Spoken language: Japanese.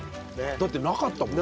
だってなかったもん。